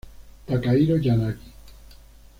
Takahiro Yanagi